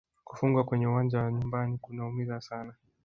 Kufungwa kwenye uwanja wa nyumbani kunaumiza sana